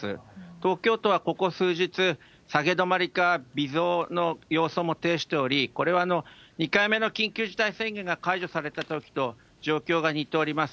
東京都はここ数日、下げ止まりか微増の様相も呈しており、これは２回目の緊急事態宣言が解除されたときと状況が似ております。